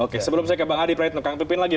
oke sebelum saya ke bang adi pradipin lagi